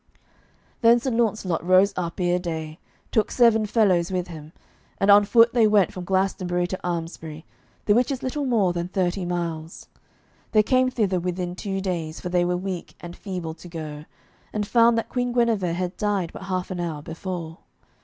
Then Sir Launcelot rose up ere day, took seven fellows with him, and on foot they went from Glastonbury to Almesbury, the which is little more than thirty miles. They came thither within two days, for they were weak and feeble to go, and found that Queen Guenever had died but half an hour before.